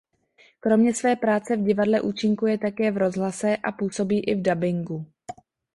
Kromě své práce v divadle účinkuje také v rozhlase a působí i v dabingu.